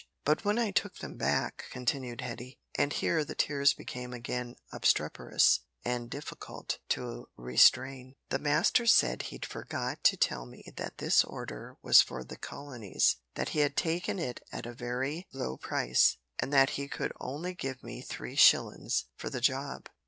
"But when I took them back," continued Hetty and here the tears became again obstreperous and difficult to restrain "the master said he'd forgot to tell me that this order was for the colonies, that he had taken it at a very low price, and that he could only give me three shillin's for the job.